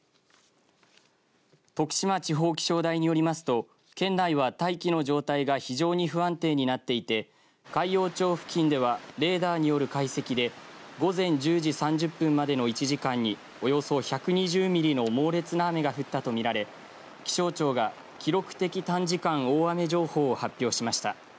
徳島地方気象台によりますと県内は大気の状態が非常に不安定になっていて海陽町付近ではレーダーによる解析で午前１０時３０分までの１時間におよそ１２０ミリの猛烈な雨が降ったとみられ気象庁が記録的短時間大雨情報を発表しました。